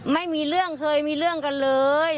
ไม่มีเรื่องเคยมีเรื่องกันเลย